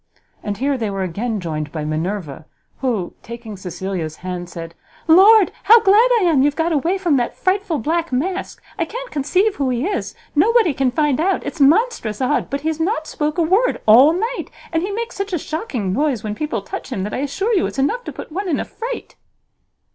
And here they were again joined by Minerva, who, taking Cecilia's hand, said, "Lord, how glad I am you've got away from that frightful black mask! I can't conceive who he is; nobody can find out; it's monstrous odd, but he has not spoke a word all night, and he makes such a shocking noise when people touch him, that I assure you it's enough to put one in a fright."